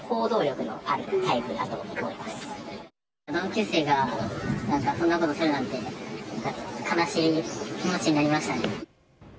同級生がそんなことをするなんて、悲しい気持ちになりました。